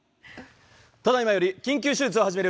ただ今より緊急手術を始める。